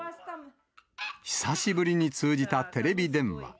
久しぶりに通じたテレビ電話。